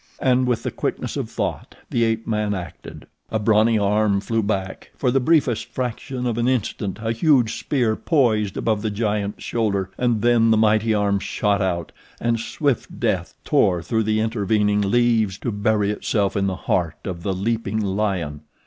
And with the quickness of thought the ape man acted. A brawny arm flew back—for the briefest fraction of an instant a huge spear poised above the giant's shoulder—and then the mighty arm shot out, and swift death tore through the intervening leaves to bury itself in the heart of the leaping lion.